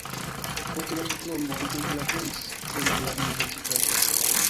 Post la diplomo li eklaboris en la universitato.